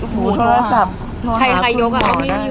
ภาษาสนิทยาลัยสุดท้าย